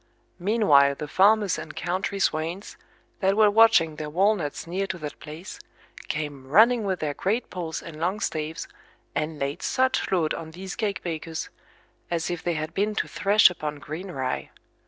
Meanwhile the farmers and country swains, that were watching their walnuts near to that place, came running with their great poles and long staves, and laid such load on these cake bakers, as if they had been to thresh upon green rye.